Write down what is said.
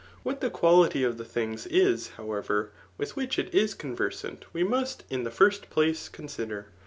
What the quality of the things is, however, with which it is conversant, we must in the first place consider.